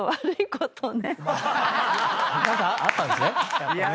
何かあったんですね。